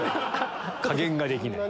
加減ができない。